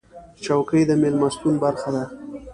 چوکۍ د میلمستون برخه ده.